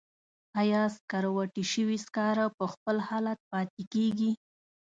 آیا سکروټې شوي سکاره په خپل حالت پاتې کیږي؟